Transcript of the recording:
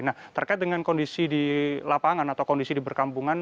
nah terkait dengan kondisi di lapangan atau kondisi di berkampungan